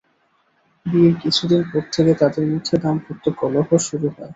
বিয়ের কিছুদিন পর থেকে তাঁদের মধ্যে দাম্পত্য কলহ শুরু হয়।